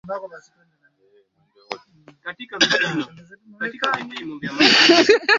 makabidhiano yamefanyika hapa jijini arusha hapa ee kis